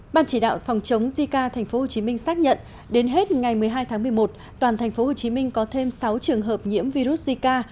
ban chỉ đạo phòng chống zika tp hcm xác nhận đến hết ngày một mươi hai tháng một mươi một toàn tp hcm có thêm sáu trường hợp nhiễm virus zika